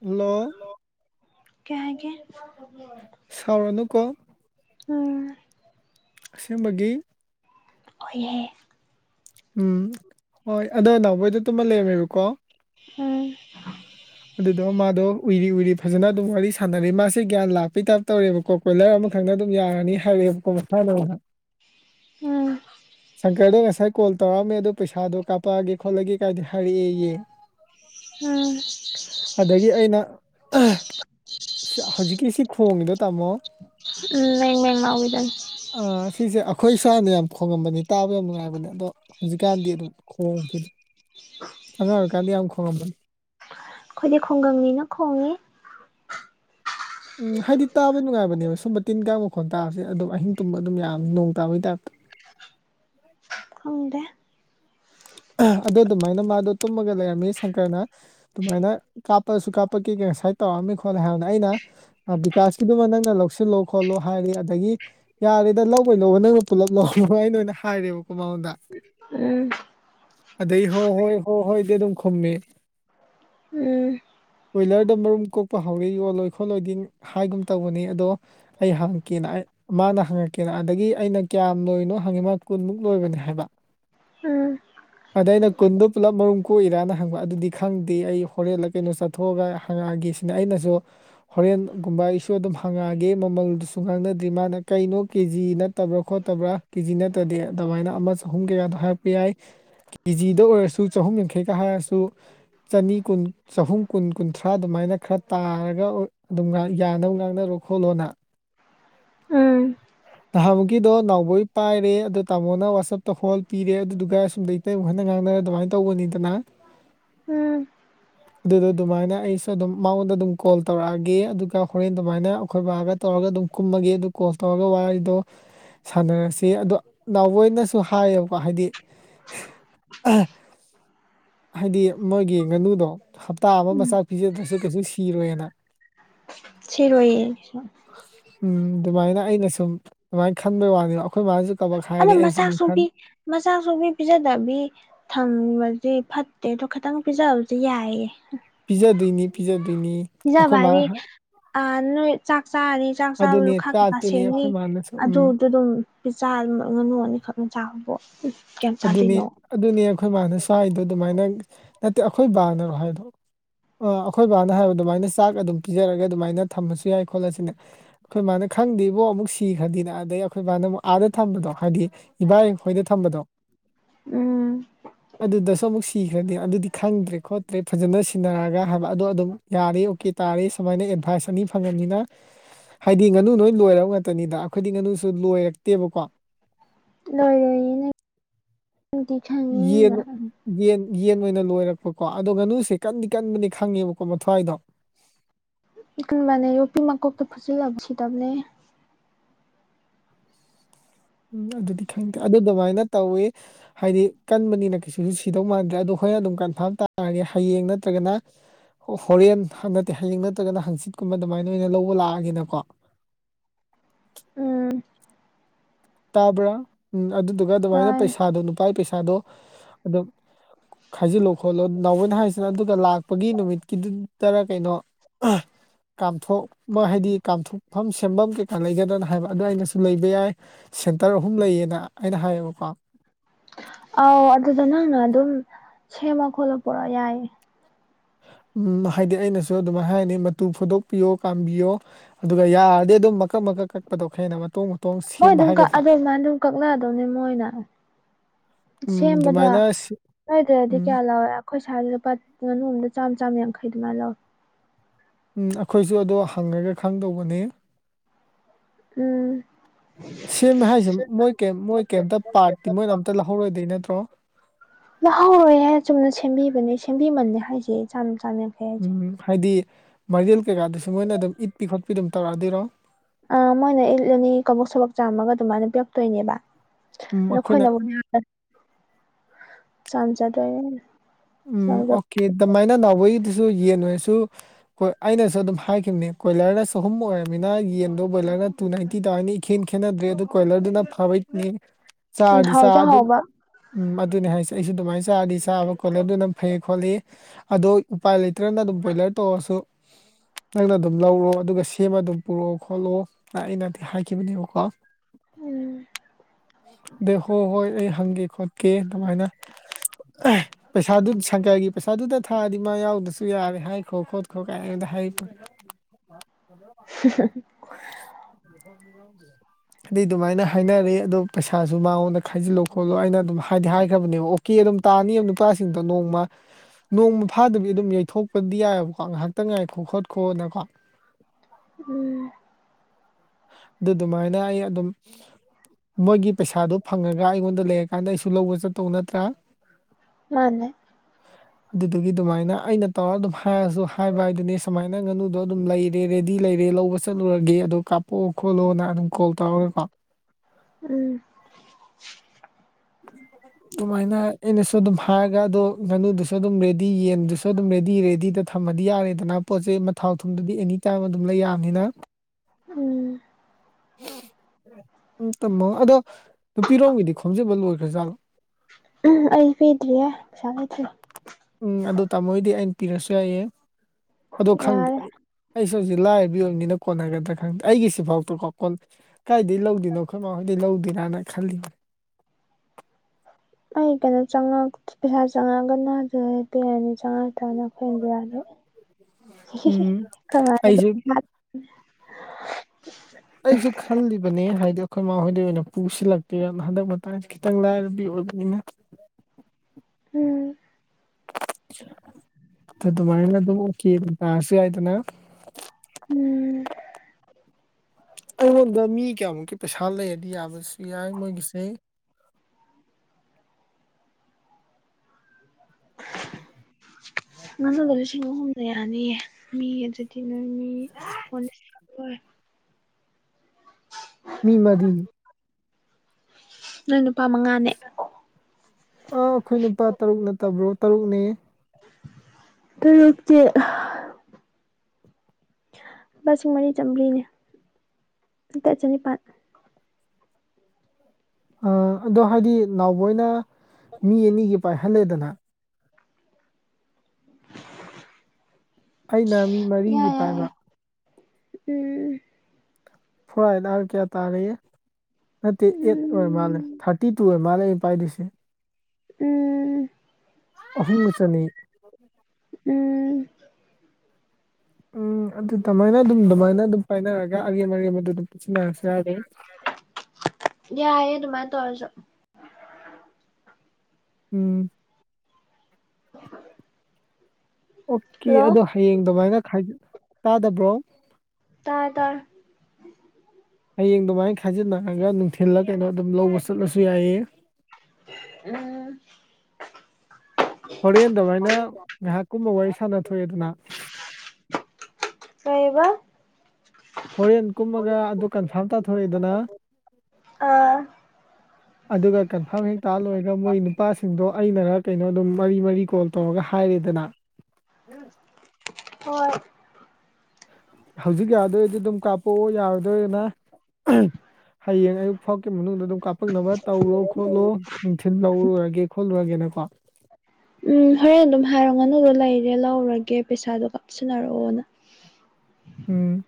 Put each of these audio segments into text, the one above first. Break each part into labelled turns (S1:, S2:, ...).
S1: Hello
S2: ꯀꯌꯥ ꯍꯥꯏꯒꯦ
S1: ꯁꯥꯎꯔꯅꯨꯀꯣ
S2: ꯎꯝ
S1: ꯑꯁꯦꯡꯕꯒꯤ
S2: ꯍꯣꯏ ꯍꯦ
S1: ꯎꯝ ꯍꯣꯏ ꯑꯗꯣ ꯅꯥꯎꯕꯣꯏꯗ ꯇꯃ ꯂꯩꯔꯝꯃꯦꯕꯀꯣ
S2: ꯎꯝ
S1: ꯑꯗꯨꯗꯣ ꯃꯥꯗꯣ ꯎꯏꯔꯤ ꯎꯏꯔꯤ ꯐꯖꯅ ꯑꯗꯨꯝ ꯋꯥꯔꯤ ꯁꯥꯟꯅꯔ ꯃꯥꯁꯦ ꯒ꯭ꯌꯥꯟ ꯂꯥꯄꯩ ꯇꯥꯏꯞ ꯇꯧꯔꯦꯕꯀꯣ ꯀꯣꯏꯂꯔ ꯑꯃ ꯈꯪꯅ ꯑꯗꯨꯝ ꯌꯥꯔꯅꯤ ꯍꯥꯏꯔꯛꯑꯦꯕꯀꯣ ꯃꯥꯗ
S2: ꯎꯝ
S1: ꯑꯪꯀꯔꯗꯣ ꯉꯁꯥꯏ ꯀꯣꯜꯧꯔꯑꯝꯃꯦ ꯑꯣ ꯄꯩꯁꯥꯗꯣ ꯀꯥꯞꯄꯛꯑꯒꯦ ꯈꯣꯠꯂꯒꯦ ꯀꯥꯏꯗꯤ ꯍꯥꯏꯔꯛꯑꯦ ꯌꯦ
S2: ꯎꯝ
S1: ꯑꯗꯒꯤ ꯑꯩꯅ ꯍꯧꯖꯤꯛꯀꯤ ꯁꯤ ꯈꯣꯡꯉꯤꯗꯣ ꯇꯥꯃꯣ
S2: ꯎꯝ ꯍ ꯃꯦꯡ ꯃꯥꯎꯗꯅꯤ
S1: ꯑꯥ ꯁꯤꯁꯦ ꯑꯩꯈꯣꯏ ꯏꯁꯋꯥꯥꯏꯅ ꯌꯥꯝ ꯈꯣꯡꯉꯝꯕꯅꯤ ꯇꯥꯕ ꯌꯥꯝ ꯅꯨꯡꯉꯥꯏꯕꯅꯦ ꯑꯗꯣ ꯍꯧꯖꯤꯛ ꯀꯥꯟꯗꯤꯔ ꯈꯣꯡ ꯑꯔ ꯀꯥꯟꯗ ꯑ ꯑꯃꯨ ꯈꯣꯡꯉꯝꯅꯤ
S2: ꯑꯩꯈꯣꯏꯗꯤ ꯈꯨꯡꯒꯪꯅꯤꯅ ꯈꯣꯡꯉꯦ
S1: ꯎꯝ ꯍꯥꯏꯗꯤ ꯇꯥꯕ ꯅꯨꯡꯉꯥꯏꯕꯅꯦꯕ ꯁꯨꯝꯕ ꯇꯤꯟ ꯀꯥꯡ ꯃꯈꯣꯟ ꯇꯥꯕꯁꯦ ꯑꯗꯨꯝ ꯑꯍꯤꯡ ꯇꯨꯝꯕ ꯑꯗꯨꯝ ꯌꯥꯝ ꯅꯣꯡ ꯇꯥꯕꯒꯤ ꯇꯥꯏꯞꯇ
S2: ꯈꯨꯝꯗꯦ
S1: ꯑꯗꯨ ꯑꯗꯨꯃꯥꯏꯅ ꯃꯥꯗꯣ ꯇꯨꯝꯃꯒ ꯂꯩꯔꯝꯃꯤ ꯁꯪꯀꯔꯅ ꯑꯗꯨꯃꯥꯏꯅ ꯀꯥꯞꯄꯁꯨ ꯀꯥꯞꯄ ꯀ ꯀ ꯉꯁꯥꯏ ꯇꯧꯔꯝꯃꯤ ꯈꯣꯠꯂꯦ ꯍꯥꯏꯕꯅ ꯑꯩꯅ ꯕꯤꯀꯥꯁꯀꯤꯗꯨꯃ ꯅꯪꯅ ꯂꯧꯁꯤꯜꯂꯣ ꯈꯣꯠꯂꯣ ꯍꯥꯏꯔꯤ ꯑꯗꯒꯤ ꯌꯥꯔꯦꯗ ꯂꯧꯕꯣꯏꯩꯅꯣꯧꯕ ꯅꯪꯅ ꯄꯨꯂꯞ ꯂꯧ ꯑꯩꯅ ꯑꯣꯏꯅ ꯍꯥꯏꯔꯦꯕꯀꯣ ꯃꯉꯣꯟꯗ
S2: ꯎꯝ
S1: ꯑꯗꯩ ꯍꯣꯏ ꯍꯣꯏ ꯍꯣꯏ ꯍꯣꯏꯗꯤ ꯑꯗꯨꯝ ꯈꯨꯝꯃꯤ
S2: ꯎꯝ
S1: ꯕꯣꯏꯂꯔꯗ ꯃꯔꯨꯝ ꯀꯣꯛꯄ ꯍꯧꯔ ꯌꯣꯠꯂꯣꯏ ꯈꯣꯠꯂꯣꯏꯗꯤ ꯍꯥꯏꯒꯨꯝ ꯇꯧꯕꯅꯤ ꯑꯗꯣ ꯑꯩ ꯍꯪ ꯀꯦꯅ ꯃꯥꯅ ꯍꯪꯉꯛꯀꯦꯅ ꯑꯗꯒꯤ ꯑꯩꯅ ꯀꯌꯥꯝ ꯂꯣꯏꯔꯤꯅꯣ ꯍꯪꯉꯤ ꯃꯥ ꯀꯨꯟꯃꯨꯛ ꯂꯣꯏꯕꯅꯤ ꯍꯥꯏꯕ
S2: ꯎꯝ
S1: ꯑꯗ ꯑꯩꯅ ꯀꯨꯟꯗꯣ ꯄꯨꯜꯂꯞ ꯃꯔꯨꯝ ꯀꯣꯛꯏꯔꯥꯅ ꯍꯪꯕ ꯑꯗꯨꯗꯤ ꯈꯪꯗꯦ ꯑꯩ ꯍꯣꯔꯦꯟꯂ ꯀꯩꯅꯣ ꯆꯠꯄ ꯄꯨꯊꯣꯛꯑꯒ ꯍꯪꯉꯛꯑꯒꯤꯁꯤꯅ ꯑꯩꯅꯁꯨ ꯍꯣꯔꯦꯟꯒꯨꯝꯕ ꯑꯩꯁꯨ ꯑꯗꯨꯝ ꯍꯪꯉꯛꯑꯒꯦ ꯃꯃꯜꯗꯨꯁꯨ ꯉꯥꯡꯅꯗ꯭ꯔꯤ ꯃꯥꯅ ꯀꯩꯅꯣ ꯀꯦ ꯖꯤ ꯅ ꯐꯠꯇꯕ꯭ꯔꯥ ꯈꯣꯠꯇꯕ꯭ꯔꯥ ꯀꯦꯖꯤ ꯅꯠꯇ꯭ꯔꯗꯤ ꯑꯗꯨꯃꯥꯏꯅ ꯑꯃ ꯆꯍꯨꯝ ꯀꯌꯥꯀꯗꯣ ꯍꯥꯏꯔꯛꯄ ꯌꯥꯏ ꯀꯦꯖꯤꯗ ꯑꯣꯏꯔꯁꯨ ꯆꯍꯨꯝ ꯌꯥꯡꯈꯩꯒ ꯍꯥꯏꯔꯁꯨ ꯆꯅꯤ ꯀꯨꯟ ꯆꯍꯨꯝ ꯀꯨꯟ ꯀꯨꯟꯊ꯭ꯔꯥ ꯑꯗꯨꯃꯥꯏꯅ ꯈꯔ ꯇꯥꯔꯒ ꯑꯗꯨꯝ ꯌꯥꯅꯕ ꯉꯥꯡꯅꯔꯨ ꯈꯣꯠꯂꯣꯅ ꯎ
S2: ꯎꯝ
S1: ꯅꯍꯥꯃꯨꯛꯀꯤꯗꯣ ꯅꯥꯎꯕꯩ ꯄꯥꯏꯔꯦ ꯑꯗꯣ ꯇꯥꯃꯣꯅ ꯋꯥꯆꯞꯇ ꯍꯣꯜ ꯄꯤꯔꯦ ꯑꯗꯨꯗꯨꯒ ꯑꯁꯨꯝꯗꯩꯇꯩꯃꯨꯈꯟꯅ ꯉꯥꯡꯅꯔ ꯑꯗꯨꯃꯥꯏꯅ ꯇꯧꯕꯅꯤꯗꯅ
S2: ꯎꯝ
S1: ꯑꯗꯨꯗꯣ ꯑꯗꯨꯃꯥꯏꯅ ꯑꯩꯁꯨ ꯑꯗꯨꯝ ꯃꯉꯣꯟꯗ ꯑꯗꯨꯝ ꯀꯣꯜ ꯇꯧꯔꯛꯑꯒꯦ ꯑꯗꯨꯒ ꯍꯣꯔꯦꯟ ꯑꯗꯨꯃꯥꯏꯅ ꯑꯩꯈꯣꯏ ꯕꯥꯒ ꯇꯧꯔꯒ ꯑꯗꯨꯝ ꯀꯨꯝꯃꯒꯦ ꯑꯗꯨ ꯀꯣꯜ ꯇꯧꯔꯒ ꯋꯥ ꯑꯩꯗꯣ ꯁꯥꯟꯅꯔꯁꯤ ꯑꯗꯣ ꯅꯥꯎꯕꯣꯏꯅꯁꯨ ꯍꯥꯏꯌꯦꯕꯀꯣ ꯍꯥꯏꯗꯤ ꯑ ꯍꯥꯏꯗꯤ ꯃꯣꯏꯒꯤ ꯉꯥꯅꯨꯗꯣ ꯍꯞꯇꯥ ꯑꯃ
S2: ꯎꯝ
S1: ꯃꯆꯥꯛ ꯄꯤꯖꯗ꯭ꯔꯁꯨ ꯀꯩꯁꯨ ꯁꯤꯔꯣꯏꯅ [unintelligible]
S2: ꯁꯤꯔ
S1: ꯎꯝ ꯑꯗꯨꯃꯥꯏꯅ ꯑꯩꯅ ꯁꯨꯝ ꯑꯗꯨꯃꯥꯏꯅ ꯈꯟꯕꯩ ꯋꯥꯅꯤꯕ ꯑꯩꯈꯣꯏ ꯃꯥꯁꯨ
S2: ꯑꯗꯨꯅ ꯃꯆꯆꯥꯁꯨꯨꯕꯤ ꯃꯆꯆꯥꯁꯨꯕꯤ ꯄꯤꯖꯗꯕꯤ ꯊꯝꯕꯁꯦ ꯐꯠꯇꯦ ꯑꯗꯣ ꯈꯤꯇꯪ ꯄꯤꯖꯕꯁꯨ ꯌꯥꯏꯌꯦ
S1: ꯄꯤꯖꯥꯗꯅꯤ ꯄꯤꯖꯥꯗꯅꯤ
S2: ꯍꯖꯥꯚꯔꯤ ꯑ ꯅꯣꯏ ꯆꯥꯛ ꯆꯥꯅꯤ ꯆꯆꯥꯛ ꯆꯥꯕꯁꯨ
S1: ꯑꯗꯨꯅꯦ
S2: ꯈꯥ ꯀꯩꯀꯥ
S1: ꯆꯥꯛꯇꯨꯅꯤ
S2: ꯁꯦꯡꯉ
S1: ꯑꯩꯈꯣꯏ ꯃꯥꯅꯁꯨ ꯎꯝ
S2: ꯑꯗꯨꯗꯨ ꯑꯗꯨꯝ ꯄꯤꯆꯥꯥ ꯑꯗꯨ ꯉꯥꯅꯨ ꯑꯅꯤ ꯈꯛꯅ ꯆꯥꯕꯕꯣ ꯎ
S1: ꯑꯗꯨꯅꯤ ꯑꯗꯨꯅꯤ ꯑꯩꯈꯣꯏ ꯃꯥꯅ ꯁ꯭ꯋꯥꯏꯗꯣ ꯑꯗꯨꯃꯥꯏꯅ ꯅꯠꯇꯦ ꯑꯩꯈꯣꯏ ꯕꯥꯅꯔꯣ ꯍꯥꯏꯗꯣ ꯑ ꯑꯩꯈꯣꯏ ꯕꯥꯅ ꯍꯥꯏꯕ ꯑꯗꯨꯃꯥꯏꯅ ꯆꯥꯛ ꯑꯗꯨꯝ ꯄꯤꯖꯔꯒ ꯑꯗꯨꯃꯥꯏꯅ ꯊꯝꯃꯁꯨ ꯌꯥꯏ ꯈꯣꯠꯂꯁꯤꯅꯦ ꯑꯩꯈꯣꯏ ꯃꯥꯅ ꯈꯪꯗ꯭ꯔꯤꯕꯣ ꯑꯃꯨꯛ ꯁꯤꯈ꯭ꯔꯗꯤꯅ ꯑꯗꯗꯒꯤ ꯑꯩꯈꯣꯏ ꯃꯥꯅ ꯑꯃꯨꯛ ꯑꯥꯗ ꯊꯝꯕꯗꯣ ꯍꯥꯏꯗꯤ ꯏꯚꯥꯏ ꯍꯣꯏꯅ ꯊꯝꯕꯗꯣ
S2: ꯎꯝ
S1: ꯑꯗꯨꯗꯁꯨ ꯑꯃꯨꯛ ꯁꯤꯈ꯭ꯔꯗꯤ ꯑꯗꯨꯗꯤ ꯈꯪꯗ꯭ꯔꯦ ꯈꯣꯠꯇ꯭ꯔꯦ ꯐꯖꯅ ꯁꯤꯟꯅꯔꯛꯑꯒ ꯍꯥꯏꯕ ꯑꯗꯣ ꯑꯗꯨꯝ ꯌꯥꯔꯦ ꯑꯣꯀꯦ ꯇꯥꯔꯦ ꯁꯨꯃꯥꯏꯅ ꯑꯦꯗꯚꯥꯏꯁ ꯑꯅꯤ ꯐꯪꯉꯅꯤꯅ ꯍꯥꯏꯗꯤ ꯉꯥꯅꯨ ꯂꯣꯏ ꯂꯣꯏꯔꯕ ꯉꯥꯛꯇꯅꯤꯗ ꯑꯩꯈꯣꯏꯗꯤ ꯉꯥꯅꯨꯁꯨ ꯂꯣꯏꯔꯛꯇꯦꯕꯀꯣ
S2: ꯂꯣꯏ ꯂꯣꯏꯅꯦ ꯎ
S1: ꯌꯦꯅ ꯌꯦꯟ ꯌꯦꯟ ꯑꯣꯏꯅ ꯂꯣꯏꯔꯛꯄꯀꯣ ꯑꯗꯣ ꯉꯥꯅꯨꯁꯦ ꯀꯟꯗꯤ ꯀꯟꯕꯅꯤ ꯈꯪꯉꯦꯕꯀꯣ ꯃꯊ꯭ꯋꯥꯏꯗꯣ
S2: ꯃ ꯑꯣꯄꯤ ꯃ ꯀꯣꯛꯛꯇ ꯐꯁꯤ ꯂꯥꯛꯁꯤ ꯇꯝꯅꯦ
S1: ꯎꯝ ꯑꯗꯨꯗꯤ ꯈꯪꯗꯦ ꯑꯗꯨ ꯑꯗꯨꯃꯥꯏꯅ ꯇꯧꯋꯤ ꯍꯥꯏꯗꯤ ꯀꯟꯕꯅꯤꯅ ꯀꯩꯁꯨꯁꯨ ꯁꯤꯗꯧ ꯃꯥꯟꯗ꯭ꯔꯦ ꯑꯗꯣ ꯑꯩꯈꯣꯏꯅ ꯑꯗꯨꯝ ꯀꯟꯐꯥꯔꯝ ꯇꯥꯔꯒꯦ ꯍꯌꯦꯡ ꯅꯠꯇ꯭ꯔꯒꯅ ꯍꯣꯔꯦꯟ ꯅꯠꯇꯦ ꯍꯌꯦꯡ ꯅꯠꯇ꯭ꯔꯒꯅ ꯍꯪꯆꯤꯠꯀꯨꯝꯕ ꯑꯗꯨꯃꯥꯏꯅ ꯑꯣꯏꯅ ꯂꯧꯕ ꯂꯥꯛꯑꯒꯦꯅꯀꯣ
S2: ꯎꯝ
S1: ꯇꯥꯕ꯭ꯔꯥ ꯎꯝ ꯑꯗꯨꯗꯨꯒ ꯑꯗꯨꯃꯥꯏꯅ
S2: ꯇꯥꯏ
S1: ꯄꯩꯁꯥꯗꯣ ꯅꯨꯄꯥꯒꯤ ꯄꯩꯁꯥꯗꯣ ꯑꯗꯨ ꯈꯥꯏꯖꯤꯜꯂꯣ ꯈꯣꯠꯂꯣ ꯅꯥꯎꯋꯏꯅ ꯍꯥꯏꯁꯤꯅ ꯑꯗꯨꯒ ꯂꯥꯛꯄꯒꯤ ꯅꯨꯃꯤꯠꯀꯤꯗꯨꯗꯔ ꯀꯩꯅꯣ ꯀꯥꯝꯊꯣꯛꯃ ꯍꯥꯏꯗꯤ ꯀꯥꯝꯊꯣꯛꯐꯝ ꯁꯦꯝꯐꯝ ꯀꯩꯀꯥ ꯂꯩꯒꯗꯅ ꯍꯥꯏꯕ ꯑꯗꯨ ꯑꯏꯩꯅꯁꯨ ꯂꯩꯕ ꯌꯥꯏ ꯁꯦꯟꯇꯔ ꯑꯍꯨꯝ ꯂꯩꯌꯦꯅ ꯑꯩꯅ ꯍꯥꯏꯌꯦꯕꯀꯣ
S2: ꯑꯥꯎ ꯑꯗꯨꯗ ꯅꯪꯅ ꯑꯗꯨꯝ ꯁꯦꯝꯃ ꯈꯣꯠꯂ ꯄꯨꯔꯛꯑꯣ ꯌꯥꯏꯌꯦ
S1: ꯎꯝ ꯍꯥꯏꯗꯤ ꯑꯩꯅꯁꯨ ꯑꯗꯨꯃꯥꯏꯅ ꯍꯥꯏꯅꯤ ꯃꯇꯨ ꯐꯨꯗꯣꯛꯄꯤꯌꯣ ꯀꯥꯝꯕꯤꯌꯣ ꯑꯗꯨꯒ ꯌꯥꯔꯗꯤ ꯑꯗꯨꯝ ꯃꯀꯛ ꯃꯀꯛ ꯀꯛꯄꯗꯣ ꯈꯦꯅꯕ ꯃꯇꯣꯡ ꯃꯇꯣꯡ
S2: ꯃꯣꯏ
S1: ꯁꯦꯝꯕ
S2: ꯑꯗꯨꯝ ꯀꯛꯑ
S1: ꯍꯥꯏꯒꯗ꯭ꯔꯥ
S2: ꯑꯗꯨꯧꯃꯥꯏꯅ ꯑꯗꯨꯝ ꯀꯛꯅꯗꯧꯅꯤ ꯃꯣꯏꯅ
S1: ꯎꯝ
S2: ꯁꯦꯝꯕꯗꯣ
S1: ꯑꯗꯨꯃꯥꯏꯅ ꯁꯤ-
S2: ꯅꯣꯏꯗ꯭ꯔꯗꯤ
S1: ꯎꯝ
S2: ꯀꯌꯥ ꯂꯧꯥꯎꯋꯦ ꯑꯩꯈꯣꯏ ꯏꯁꯥꯗ ꯂꯨꯄꯥ ꯉꯥꯅꯨ ꯑꯃꯝꯗ ꯆꯥꯝ ꯆꯥꯝ ꯌꯥꯡꯈꯩ ꯑꯗꯨꯃꯥꯏꯅ ꯂꯧꯋꯦ
S1: ꯎꯝ ꯑꯩꯈꯣꯏꯁꯨ ꯑꯗꯣ ꯍꯪꯉꯒ ꯈꯪꯗꯧꯕꯅꯦ
S2: ꯎꯝ
S1: ꯁꯦꯝꯃꯦ ꯍꯥꯏꯁꯦ ꯃꯣꯏ ꯀ ꯃꯣꯏ ꯀꯩꯝꯇ ꯄꯥꯔꯠꯇꯤ ꯃꯣꯏꯅ ꯑꯝꯇ ꯂꯧꯍꯧꯔꯣꯏꯗꯣꯏ ꯅꯠꯇ꯭ꯔꯣ
S2: ꯂꯧꯍꯧꯔꯣꯏ ꯍꯥꯏ ꯆꯨꯝꯅ ꯁꯦꯝꯕꯤꯕꯅꯦ ꯁꯦꯝꯕꯤꯃꯜꯦ ꯍꯥꯏꯁꯦ ꯆꯥꯅ ꯆꯥꯅ
S1: ꯎꯝ ꯍꯥꯏꯗꯤ ꯃꯔꯤꯦꯜ ꯀꯩꯀꯥꯗꯨꯁꯨ ꯃꯣꯏꯅ ꯑꯗꯨꯝ ꯏꯠꯄꯤ ꯈꯣꯠꯄꯤ ꯑꯗꯨꯝ ꯇꯧꯔꯛꯑꯗꯤꯣꯏꯔꯣ
S2: ꯑ ꯃꯣꯏꯅ ꯏꯠ ꯑꯅꯤ ꯀꯕꯣꯛ ꯁꯕꯛ ꯆꯥꯝꯃꯒ ꯑꯗꯨꯃꯥꯏꯅ ꯄꯤꯔꯛꯇꯣꯏꯅꯦꯕ
S1: ꯎꯝ ꯑꯩꯈꯣꯏꯅ
S2: ꯑꯗꯣꯈꯣꯏꯅꯕꯨꯛ ꯆꯥꯝꯖꯗꯣꯏꯅꯦ
S1: ꯎꯝ ꯑꯣꯀꯦ ꯑꯗꯨꯃꯥꯏꯅ ꯅꯥꯎꯕꯒꯤꯗꯨꯁꯨ ꯌꯦꯟꯉꯣꯏꯁꯨ ꯍꯣꯏ ꯑꯩꯅꯁꯨ ꯑꯗꯨꯝ ꯍꯥꯏꯈꯤꯕꯅꯤ ꯀꯕꯣꯏꯂꯔꯅꯁꯨꯍꯨꯝ ꯑꯣꯏꯔꯃꯤꯅ ꯌꯦꯟꯗꯣ ꯕꯣꯏꯂꯔꯅ ꯇꯨ ꯅꯥꯏꯟꯇꯤ ꯇꯥꯔꯅꯤ ꯏꯈꯦꯟ ꯈꯦꯠꯅꯗ꯭ꯔꯦ ꯑ ꯀꯣꯏꯂꯔꯗꯨꯅ ꯐꯕꯩꯅꯦ
S2: ꯎꯝ
S1: ꯆꯥꯔꯗꯤ ꯆꯥ
S2: ꯍꯥꯎꯁꯨ
S1: ꯑꯗꯨꯅ
S2: ꯍꯥꯎꯕ
S1: ꯎꯝ ꯑꯗꯨꯅꯦ ꯍꯥꯏꯁꯦ ꯑꯩꯁꯨ ꯑꯗꯨꯃꯥꯏꯅ ꯆꯥꯔꯗꯤ ꯆꯥꯕ ꯀꯣꯏꯂꯔꯗꯨꯅ ꯐꯩ ꯈꯣꯠꯂꯤ ꯑꯗꯨ ꯎꯄꯥꯥꯏ ꯂꯤꯇ꯭ꯔꯅ ꯑꯗꯨꯝ ꯕꯣꯏꯂꯔ ꯇꯧꯔꯁꯨ ꯅꯪꯅ ꯑꯗꯨꯝ ꯂꯧꯔꯣ ꯑꯗꯨꯒ ꯁꯦꯝꯃ ꯑꯗꯨꯝ ꯄꯨꯔꯛꯑꯣ ꯈꯣꯠꯂꯣ ꯑꯩꯅꯗꯤ ꯍꯥꯏꯈꯤꯕꯅꯦꯕꯀꯣ
S2: ꯎꯝ
S1: [unintelligible] ꯑ ꯍꯣꯏ ꯍꯣꯏ ꯑꯩ ꯍꯪꯒꯦ ꯈꯣꯠꯀꯦ ꯑꯗꯨꯃꯥꯏꯅ ꯄꯩꯁꯥꯗꯨ ꯁꯪꯀꯔꯒꯤ ꯄꯩꯁꯥꯗꯨꯗ ꯊꯥꯔꯗꯤ ꯃꯥ ꯌꯥꯎꯗ꯭ꯔꯁꯨ ꯌꯥꯔꯦ ꯍꯥꯏꯈꯣ ꯈꯣꯠꯈꯣ ꯀꯥꯏꯅꯗ ꯍꯥꯏ [unintelligible] ꯑꯗꯨ ꯑꯗꯨꯃꯥꯏꯅ ꯍꯥꯏꯅꯔꯤ ꯑꯗꯣ ꯄꯩꯁꯥꯁꯨ ꯃꯉꯣꯟꯗ ꯈꯥꯏꯖꯤꯜꯂꯣ ꯈꯣꯠꯂꯣ ꯑꯩꯅ ꯑꯗꯨꯝ ꯍꯥꯏꯗꯤ ꯍꯥꯏꯈ꯭ꯔꯕꯅꯦꯕ ꯑꯣ ꯀꯦ ꯑꯗꯨꯝ ꯇꯥꯅꯤ ꯅꯨꯄꯥꯁꯤꯡꯗꯣ ꯅꯣꯡꯃ ꯅꯣꯡꯃ ꯐꯥꯗꯕꯤ ꯑꯗꯨꯝ ꯌꯩꯊꯣꯛꯄꯗꯤ ꯌꯥꯏꯑꯕꯀꯣ ꯉꯥꯏꯍꯥꯛꯇꯪ ꯉꯥꯏꯈꯣ ꯈꯣꯠꯈꯣꯅꯀꯣ
S2: ꯎꯝ
S1: ꯑꯗꯨ ꯑꯗꯨꯃꯥꯏꯅ ꯑꯩ ꯑꯗꯨꯝ ꯃꯣꯏꯒꯤ ꯄꯩꯁꯥꯗꯨꯣ ꯐꯪꯉꯒ ꯑꯩꯉꯣꯟꯗ ꯂꯩꯔꯀꯥꯟꯗ ꯑꯩꯁꯨ ꯂꯧꯕ ꯆꯠꯇꯧ ꯅꯠꯇ꯭ꯔꯥ
S2: ꯃꯥꯅꯦ
S1: [unintelligible] ꯑꯗꯨꯗꯨꯒꯤ ꯑꯗꯨꯃꯥꯏꯅ ꯑꯩꯅ ꯇꯧꯔ ꯑꯗꯨꯝ ꯍꯥꯏꯔꯁꯨ ꯍꯥꯏꯕ ꯍꯥꯏꯗꯨꯅꯦ ꯁꯨꯃꯥꯏꯅ ꯉꯥꯅꯨꯗꯣ ꯑꯗꯨꯝ ꯂꯩꯔꯦ ꯔꯦꯗꯤ ꯂꯩꯔꯦ ꯂꯧꯕ ꯆꯠꯂꯨꯔꯒꯦ ꯑꯗꯣ ꯀꯥꯞꯄꯛꯑꯣ ꯈꯣꯠꯂꯣꯅ ꯑꯗꯨꯝ ꯀꯣꯜ ꯇꯧꯔꯒꯀꯣ
S2: ꯎꯝ
S1: ꯎꯝ ꯑꯗꯨꯃꯥꯏꯅ ꯑꯩꯅꯁꯨ ꯑꯗꯨꯝ ꯍꯥꯏꯔꯒ ꯑꯗꯣ ꯉꯥꯅꯨꯗꯨꯁꯨ ꯑꯗꯨꯝ ꯔꯦꯗꯤ ꯌꯦꯟꯗꯨꯁꯨ ꯑꯗꯨꯝ ꯔꯦꯗꯤ ꯔꯦꯗꯤꯗ ꯊꯝꯃꯗꯤ ꯌꯥꯔꯦꯗꯅ ꯄꯣꯠ ꯆꯩ ꯃꯊꯥꯎ ꯊꯨꯝꯗꯗꯤ ꯑꯦꯅꯤꯇꯥꯏꯝ ꯑꯗꯨꯝ ꯂꯩ ꯌꯥꯕꯅꯤꯅ
S2: ꯎꯝ
S1: ꯇꯝꯃ ꯑꯗꯣ ꯅꯨꯄꯤꯔꯣꯝꯒꯤꯗꯤ ꯈꯣꯝꯖꯕ ꯂꯣꯏꯈ꯭ꯔ ꯖꯥꯠꯂꯣ
S2: ꯎꯝ ꯑꯩ ꯄꯤꯗ꯭ꯔꯤꯌꯦ ꯄꯩꯁꯥ ꯂꯩꯇ꯭ꯔꯤꯦ
S1: ꯎꯝ ꯑꯗꯨꯗ ꯇꯥꯃꯣ ꯍꯗꯤ ꯑꯩꯅ ꯄꯤꯔꯁꯨ ꯌꯥꯏꯌꯦ ꯑꯗꯣ ꯈꯪꯗꯦ
S2: ꯌꯥꯔꯦ
S1: ꯑꯩ ꯑꯩꯁꯨ ꯍꯧꯖꯤꯛ ꯂꯥꯏꯕꯤ ꯑꯣꯏꯕꯅꯤꯅ ꯀꯣꯟꯅꯒꯗ꯭ꯔꯥ ꯈꯪꯗꯦ ꯑꯩꯒꯤꯁꯤ ꯐꯥꯎꯗꯀꯣ ꯀꯥꯏꯗꯗꯒꯤ ꯂꯧꯗꯣꯏꯅꯣ ꯑꯩꯈꯣꯏ ꯃꯥꯍꯣꯏꯗꯩ ꯂꯧꯗꯣꯏꯔꯥꯅ ꯈꯜꯂꯤꯕ
S2: ꯑꯩ ꯀꯩꯅꯣ ꯆꯪꯉ ꯄꯩꯁꯥ ꯆꯪꯉꯛꯑꯒꯅ ꯑꯗꯨ ꯄꯔꯅꯤ ꯆꯪꯉꯛ ꯅꯠꯇꯅ ꯑꯩꯈꯣꯏ ꯏꯟꯗꯤꯌꯥꯁ
S1: ꯎꯝ
S2: ꯀꯔ
S1: ꯑꯩꯁꯨ ꯑꯩꯁꯨ ꯈꯜꯂꯤꯕꯅꯦ ꯍꯥꯏꯗꯤ ꯑꯩꯈꯣꯏ ꯃꯈꯍꯣꯏꯗ ꯑꯣꯏꯅ ꯄꯨꯁꯤꯜꯂꯛꯇꯦꯅ ꯍꯟꯗꯛ ꯃꯇꯥꯡꯁꯤ ꯈꯤꯇꯪ ꯂꯥꯏꯔꯕꯤ ꯑꯣꯏꯕꯅꯤꯅ
S2: ꯎꯝ
S1: ꯇꯃꯥꯏꯅ ꯇꯁꯨ ꯌꯥꯥꯏꯗꯅ
S2: ꯎꯝ
S1: ꯑꯩꯉꯣꯟꯗ ꯃꯤ ꯀꯌꯥꯃꯨꯛꯀꯤ ꯄꯩꯁꯥ ꯂꯩꯔꯗꯤ ꯌꯥꯕꯁꯨ ꯌꯥꯏ ꯃꯣꯏꯒꯤꯁꯦ ꯑ
S2: ꯉꯅꯗꯔ ꯁꯤ ꯌꯥ ꯌꯥꯅꯤꯌꯦ ꯃꯤ ꯑꯗꯨꯗꯤ ꯅꯣꯏ ꯃꯤ ꯐꯣꯟ ꯑꯣꯏ
S1: ꯃꯤ ꯃꯗꯨ
S2: ꯅꯣꯏ ꯅꯨꯄꯥ ꯃꯉꯥꯅꯦ
S1: ꯑꯥ ꯑꯩꯈꯣꯏ ꯅꯨꯄꯥ ꯇꯔꯨꯛ ꯅꯠꯇꯕ꯭ꯔꯣ ꯇꯔꯨꯛꯅꯦ
S2: ꯇꯔꯤꯛꯇꯦ ꯂꯨꯄꯥ ꯂꯤꯁꯤꯡ ꯃꯔꯤ ꯆꯥꯝꯃꯔꯤꯅꯦꯠ ꯆꯅꯤꯄꯥꯜ
S1: ꯑ ꯑꯗꯣ ꯍꯥꯏꯗꯤ ꯅꯥꯎꯕꯅ ꯃꯤ ꯑꯅꯤꯒꯤ ꯄꯥꯏꯍꯜꯂꯦꯗꯅ ꯑꯩꯅ ꯃꯤ
S2: ꯏꯌꯥ
S1: ꯃꯔꯤꯒꯤ ꯄꯥꯏꯕ
S2: ꯌꯥꯏꯌꯦ ꯎꯝ
S1: ꯐꯔꯥꯏꯗꯥ ꯀꯌꯥ ꯇꯥꯔꯦ ꯅꯠꯇꯦ ꯑꯩꯠ
S2: ꯎꯝ
S1: ꯑꯣꯏ ꯃꯥꯜꯂꯦ ꯊꯥꯔꯇꯤ ꯇꯨ ꯑꯣꯏ ꯃꯥꯜꯂꯦ ꯑꯩꯩꯅ ꯄꯥꯏꯗꯣꯏꯁꯦ
S2: ꯎꯝ
S1: ꯑꯍꯨꯝꯒꯆꯥꯅꯤ ꯎ
S2: ꯎꯝ
S1: ꯎꯝ ꯑꯗꯨ ꯇꯃꯥꯏꯅ ꯑꯗꯨꯝ ꯑꯗꯨꯃꯥꯏꯅ ꯑꯗꯨꯝ ꯄꯥꯏꯅꯔꯒ ꯑꯒꯦ ꯃꯔꯤ ꯑꯃ ꯑꯗꯨꯝ ꯄꯨꯁꯤꯟꯅꯔꯁꯨ ꯌꯥꯔꯦ
S2: ꯌꯥꯑꯌꯦ ꯑꯗꯨꯃꯥꯏ ꯇꯣꯁ
S1: ꯎꯝ ꯑꯣꯀꯦ
S2: ꯍꯜꯂꯣ
S1: ꯑꯗꯣ ꯍꯌꯦꯡ ꯑꯗꯨꯃꯥꯏꯅꯒ ꯈ ꯇꯥꯗꯕ꯭ꯔꯣ
S2: ꯇꯥꯔ ꯇꯔ
S1: ꯍꯌꯦꯡ ꯑꯗꯨꯃꯥꯏꯅ ꯈꯥꯖꯤꯟꯅꯔꯒ ꯅꯨꯡꯊꯤꯜꯂ ꯀꯩꯅꯣ ꯑꯗꯨꯝ ꯂꯧꯕ ꯆꯠꯂꯁꯨ ꯌꯥꯏꯌꯦ
S2: ꯎꯝ
S1: ꯍꯣꯔꯦꯟ ꯑꯗꯨꯃꯥꯏꯅ ꯉꯥꯏꯍꯥꯛꯀꯨꯝꯕ ꯋꯥꯔꯤ ꯁꯥꯟꯅ ꯊꯣꯛꯣꯛꯑꯦ ꯑꯗꯨꯅ
S2: ꯀꯕ
S1: ꯍꯣꯔꯦꯟ ꯀꯨꯝꯃꯒ ꯑꯗꯨ ꯀꯟꯐꯥꯔꯝ ꯇꯥꯊꯣꯔꯛꯑꯦꯗꯅ
S2: ꯑꯥ
S1: [inaudible] ꯑꯗꯨꯒ ꯀꯟꯐꯥꯔꯝ ꯍꯦꯛ ꯇꯥ ꯂꯣꯏꯔꯒ ꯃꯣꯏ ꯅꯨꯄꯥꯁꯤꯡꯗꯣ ꯑꯩꯅꯔ ꯀꯩꯅꯣ ꯑꯗꯨꯝ ꯃꯔꯤ ꯃꯔꯤ ꯀꯣꯜ ꯇꯧꯔꯒ ꯍꯥꯏꯔꯦꯗꯅ
S2: ꯍ
S1: ꯍꯧꯖꯤꯛ ꯌꯥꯗꯣꯏꯗꯤ ꯑꯗꯨꯝ ꯀꯥꯞꯄꯛꯑꯣ ꯌꯥꯔꯗꯣꯏꯅ ꯍꯌꯦꯡ ꯑꯌꯨꯛ ꯐꯥꯎꯒꯤ ꯃꯅꯨꯡꯗ ꯑꯗꯨꯝ ꯀꯥꯞ ꯑꯀꯛꯅꯕ ꯇꯧꯔꯣ ꯈꯣꯠꯂꯣ ꯅꯨꯡꯊꯤꯜ ꯂꯧꯔꯨꯔꯒꯦ ꯈꯣꯠꯂꯨꯔꯒꯦꯅꯀꯣ
S2: ꯎꯝ ꯍꯣꯔꯦꯟ ꯑꯗꯨꯝ ꯍꯥꯏꯔꯣ ꯉꯥꯅꯨꯗꯣ ꯂꯩꯔꯦ ꯂꯧꯔꯒꯦ ꯄꯩꯁꯥꯗꯣ ꯀꯥꯞꯁꯤꯟꯅꯔꯛꯑꯣꯅ
S1: ꯎꯝ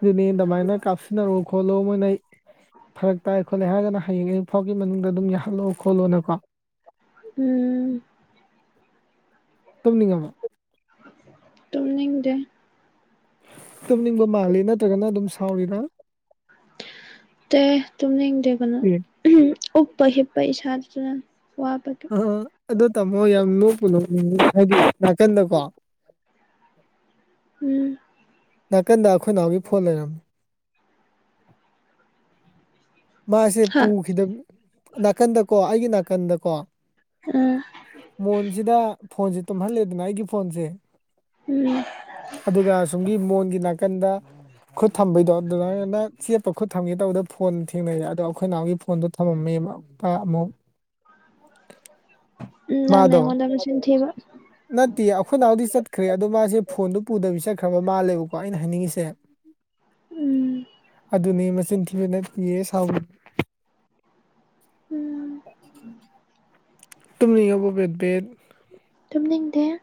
S1: ꯑꯗꯨꯅꯤ ꯇꯃꯥꯏꯅ ꯀꯥꯐꯅꯔ ꯈꯣꯠꯂꯣ ꯃꯣꯏꯅ ꯐꯔꯛ ꯇꯥꯏ ꯈꯣꯠꯂꯦ ꯍꯥꯏꯔꯒꯅ ꯍꯌꯦꯡ ꯑꯌꯨꯛ ꯐꯥꯎꯒꯤ ꯃꯅꯨꯡꯗ ꯑꯗꯨꯝ ꯌꯥꯍꯜꯂꯣꯑꯣ ꯈꯣꯠꯂꯣꯅꯀꯣ
S2: ꯎꯝ
S1: ꯇꯝꯅꯤꯡꯉꯃ
S2: ꯇꯝꯅꯤꯡꯗꯦ
S1: ꯇꯨꯝꯅꯤꯡꯕ ꯃꯥꯜꯂꯤ ꯅꯠꯇ꯭ꯔꯒꯅ ꯑꯗꯨꯝ ꯁꯥꯎꯔꯤꯔ
S2: ꯇ ꯇꯨꯃꯤꯅ ꯗ ꯀꯅꯣ
S1: ꯑꯦ
S2: ꯎꯝ ꯎꯄ ꯍꯤꯞꯄ ꯏꯁꯥꯗ ꯋꯥꯄꯇ
S1: ꯑ ꯑꯗꯣ ꯇꯥꯃꯣ ꯌꯥꯝ ꯅꯣꯛꯄ ꯅꯅꯤꯡꯉ ꯍꯥꯏꯗꯤ ꯅꯥꯀꯟꯗꯀꯣ
S2: ꯎꯝ
S1: ꯅꯥꯀꯟꯗ ꯑꯩꯈꯣꯏ ꯅꯥꯎꯒꯤ ꯐꯣꯟ ꯂꯩꯔꯝꯃꯤ꯫ ꯃꯥꯁꯦ
S2: ꯍꯥ
S1: ꯄꯨꯈꯤꯗꯝ ꯅꯥꯀꯟꯗꯀꯣ ꯑꯩꯒꯤ ꯅꯥꯀꯟꯗꯀꯣ꯫
S2: ꯎꯝ
S1: ꯃꯣꯟꯁꯤꯗ ꯐꯣꯟꯁꯦ ꯇꯨꯝꯍꯜꯂꯦꯗꯅ ꯑꯩꯒꯤ ꯐꯣꯟꯁꯦ꯫
S2: ꯎꯝ
S1: ꯑꯗꯨꯒ ꯁꯨꯝꯒꯤ ꯃꯣꯟꯒꯤ ꯅꯥꯀꯟꯗ꯫ ꯈꯨꯠ ꯊꯝꯕꯩꯗꯣ ꯑꯗꯨꯃꯥꯏꯅ ꯆꯦꯞꯄ ꯈꯨꯠ ꯊꯝꯒꯦ ꯇꯧꯕꯗ ꯐꯣꯟ ꯊꯦꯡꯅꯩꯑꯦ ꯑꯗꯣ ꯑꯩꯈꯣꯏꯅꯥꯎꯒꯤ ꯐꯣꯟꯗꯣ ꯊꯝꯃꯝꯃꯦ ꯃꯄꯥ ꯑꯃꯨꯛ
S2: ꯎꯝ ꯅꯪꯅ
S1: ꯃꯥꯗꯣ
S2: ꯑꯩꯉꯣꯟꯗ ꯃꯆꯤꯟ ꯊꯤꯕ꯫
S1: ꯅꯠꯇꯦ ꯑꯩꯈꯣꯏꯅꯥꯎꯗꯤ ꯆꯠꯈ꯭ꯔꯦ ꯑꯗꯣ ꯃꯥꯁꯦ ꯐꯣꯟꯗꯨ ꯄꯨꯗꯕꯤ ꯆꯠꯈ꯭ꯔꯕ ꯃꯥꯜꯂꯦꯕꯀꯣ ꯑꯩꯅ ꯍꯥꯏꯅꯤꯡꯉꯤꯁꯦ꯫
S2: ꯎꯝ
S1: ꯑꯗꯨꯅꯦ ꯃꯆꯤꯟ ꯊꯤꯕꯅ ꯏꯌꯦ ꯁꯥꯎꯒ꯫
S2: ꯎꯝ
S1: [inaudible] ꯇꯨꯝꯅꯤꯡꯉꯕꯣ ꯕꯦꯕ ꯕꯦꯕ꯫
S2: ꯇꯨꯝꯅꯤꯡꯗꯦ꯫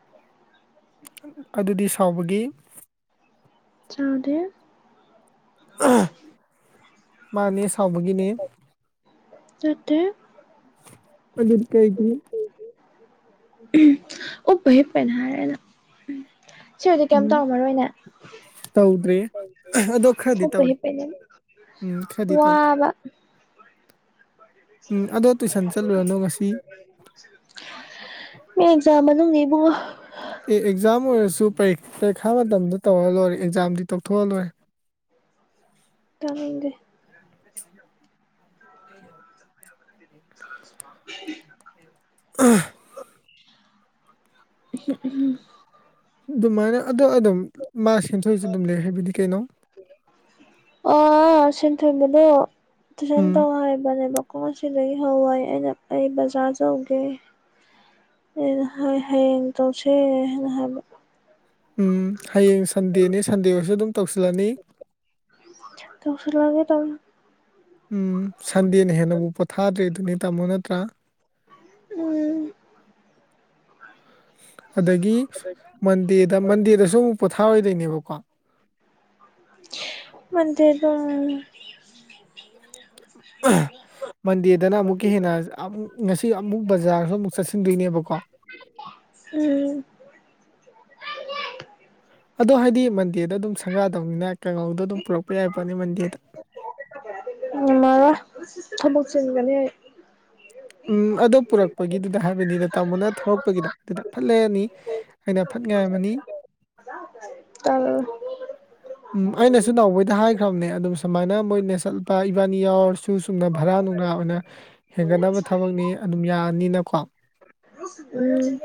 S1: ꯑꯗꯨꯗꯤ ꯁꯥꯎꯕꯒꯤ꯫
S2: ꯆꯥꯎꯗꯦ꯫ [inaudible]
S1: ꯃꯥꯅꯦ ꯁꯥꯎꯕꯒꯤꯅꯤ꯫
S2: ꯅꯠꯇꯦ ꯫
S1: ꯑꯗꯨ ꯅꯠꯇ꯭ꯔꯥꯗꯤ꯫
S2: ꯎꯝ ꯎꯞꯄ ꯍꯤꯞꯄꯩꯅꯤ ꯍꯥꯏꯔꯒ꯫ ꯁꯤ ꯑꯣꯏꯔꯗꯤ ꯀꯩꯝ
S1: ꯎꯝ
S2: ꯇꯧꯔꯝ ꯃꯔꯣꯏꯅꯦ
S1: ꯇꯧꯗ꯭ꯔꯦ
S2: ꯇꯧꯗ꯭ꯔꯦ
S1: ꯑꯗꯣ ꯈꯔꯗꯤ
S2: ꯎꯞꯄ
S1: ꯇꯧꯔꯤ
S2: ꯍꯤꯞꯄꯩꯅꯦ꯫
S1: ꯎꯝ ꯈꯔꯗꯤ ꯇꯧꯔꯤ꯫ ꯎꯝ ꯑꯗꯣ ꯇꯨꯏꯁꯟ ꯆꯠꯂꯨꯔꯅꯣ ꯉꯁꯤ꯫
S2: ꯑ ꯃꯤ ꯑꯦꯛꯖꯥꯝ ꯃꯅꯨꯡꯅꯤ ꯏꯕꯨꯡꯉꯣ ꯫
S1: ꯑꯦ ꯑꯦꯛꯖꯥꯝ ꯑꯣꯏꯔꯁꯨ ꯄꯔꯤ ꯄꯥꯔꯤꯈꯥ ꯃꯇꯝꯗ ꯇꯧꯔꯒ ꯂꯣꯏꯔꯦ ꯑꯦꯛꯖꯥꯝꯗꯤ ꯇꯧꯊꯣꯛꯂꯒ ꯂꯣꯏꯔꯦ꯫
S2: ꯇꯥꯅꯤꯡꯗꯦ꯫
S1: [inaudible] [inaudible]
S2: [inaudible]
S1: ꯑ
S2: ꯑꯍꯝ ꯑꯍꯝ
S1: ꯑꯗꯨꯃꯥꯏꯅ ꯑꯗꯣ ꯑꯗꯨꯝ ꯃꯥ ꯁꯦꯝꯗꯣꯛꯂꯁꯨ ꯑꯗꯨꯝ ꯂꯩ ꯍꯥꯏꯕꯅꯤ ꯀꯩꯅꯣ꯫
S2: ꯑꯣ ꯁꯦꯟꯊꯣꯏꯕꯗꯣ ꯇꯨꯏꯁꯅ
S1: ꯎꯝ
S2: ꯇꯧ ꯍꯥꯏꯕꯅꯦꯕ꯫ ꯀꯣꯛ ꯉꯁꯤꯗꯩꯩ ꯍꯧꯑꯣꯌꯦ ꯑꯩ ꯕꯖꯥꯔ ꯆꯠꯂꯨꯒꯦ ꯫ ꯑꯩꯅ ꯍꯣꯏ ꯍꯌꯦꯡ ꯇꯧꯁꯦ ꯍꯥꯏꯅ ꯍꯥꯏꯕ꯫
S1: ꯎꯝ ꯍꯌꯦꯡ ꯁꯟꯗꯦꯅꯦ ꯁꯟꯗꯦ ꯑꯣꯏꯔꯁꯨ ꯑꯗꯨꯝ ꯇꯧꯁꯤꯜꯂꯅꯤ꯫
S2: ꯇꯧꯁꯤꯜꯂꯒ ꯗꯝ
S1: ꯎꯝ ꯁꯟꯗꯦꯅ ꯍꯦꯟꯅꯕꯨ ꯄꯣꯊꯥꯗ꯭ꯔꯦ ꯑꯗꯨꯅꯦ ꯇꯝꯃꯣ ꯅꯠꯇ꯭ꯔꯥ꯫
S2: ꯎꯝ
S1: ꯑꯗꯒꯤ ꯃꯟꯗꯦꯗ ꯃꯟꯗꯦꯗꯁꯨ ꯑꯃꯨꯛ ꯄꯣꯊꯥꯔꯣꯏꯗꯩꯩꯅꯦꯕꯀꯣ꯫
S2: ꯃꯟꯗꯦꯗꯣ
S1: ꯃꯟꯗꯦꯗꯅ ꯑꯃꯨꯛꯀ ꯍꯦꯟꯅ ꯑꯃꯛ ꯉꯁꯤ ꯑꯃꯨꯛ ꯕꯖꯥꯔꯁꯨ ꯑꯃꯨꯛ ꯆꯠꯁꯤꯟꯗꯣꯏꯅꯦꯕꯀꯣ꯫
S2: ꯎꯝ
S1: ꯑꯗꯣ ꯍꯥꯏꯗꯤ ꯃꯟꯗꯦꯗ ꯑꯗꯨꯝ ꯁꯪꯒꯥꯗꯧꯅꯤꯅ ꯀꯪꯉꯧꯗ ꯑꯗꯨꯝ ꯄꯨꯔꯛꯄ ꯌꯥꯏꯕ ꯄꯣꯠꯅꯤ ꯃꯟꯗꯦꯗ꯫
S2: ꯉꯝꯃꯔꯣꯏ ꯊꯕꯛ ꯆꯤꯟꯕꯅꯤ ꯫
S1: ꯎꯝ ꯑꯗꯣ ꯄꯨꯔꯛꯄꯒꯤꯗꯨꯗ ꯍꯥꯏꯕꯅꯤꯗ ꯇꯥꯃꯣꯅ ꯊꯧꯔꯛꯄꯒꯤꯗꯗ ꯑꯗꯨꯗ ꯐꯠ ꯂꯩꯔꯅꯤ꯫ ꯑꯩꯅ ꯐꯠ ꯉꯥꯏꯔꯝꯃꯅꯤ꯫
S2: ꯇꯜꯂꯦ꯫
S1: ꯎꯝ ꯑꯩꯅꯁꯨ ꯅꯅꯥꯎꯕꯩꯗ ꯍꯥꯏꯈ꯭ꯔꯕꯅꯦ ꯑꯗꯨꯝ ꯁꯨꯃꯥꯏꯅ ꯃꯣꯏꯅ ꯆꯠꯄ ꯏꯕꯥꯅꯤ ꯌꯥꯎꯔ ꯁꯨ ꯆꯨꯝꯅ ꯚꯔꯥ ꯅꯨꯡꯔꯥ ꯑꯣꯏꯅ ꯍꯦꯟꯒꯠꯅꯕ ꯊꯕꯛꯅꯤ ꯑꯗꯨꯝ ꯌꯥꯅꯤꯅꯀꯣ
S2: ꯎꯝ